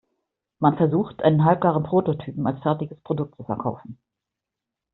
Man versucht, einen halbgaren Prototypen als fertiges Produkt zu verkaufen.